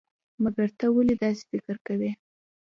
مګر ته ولې داسې فکر کوئ؟